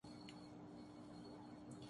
قاہرہ مصر برلن جرمنی